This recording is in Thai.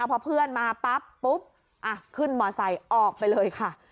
พอเพื่อนมาปุ๊ปอ้ะขึ้นคลึ่งบอเตอร์ไซส์ออกไปเลยค่ะ